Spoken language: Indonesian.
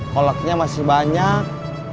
koleknya masih banyak